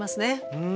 うん。